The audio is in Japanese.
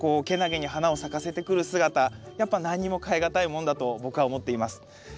けなげに花を咲かせてくる姿やっぱ何にも代えがたいもんだと僕は思っています。